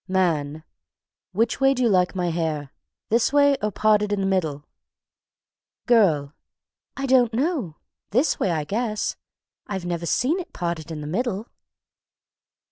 _) MAN. "Which way do you like my hair; this way, or parted in the middle?" GIRL. "I don't know this way, I guess. I've never seen it parted in the middle."